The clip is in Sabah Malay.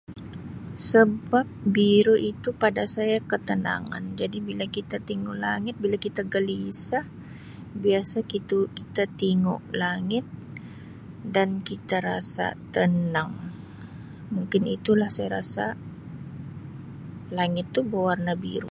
Sebab biru itu pada saya ketenangan jadi bila kita tingu langit bila kita gelisa biasa [unintelligible] kita tingu langit dan kita rasa tenang mungkin itu lah saya rasa langit tu bewarna biru.